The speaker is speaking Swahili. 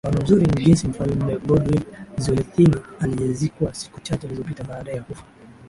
Mfano mzuri ni jinsi mfalme Goodwill Zwelithini aliyezikwa siku chache zilizopita baada ya kufa